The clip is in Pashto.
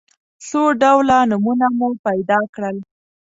څو ډوله نومونه مو پیدا کړل.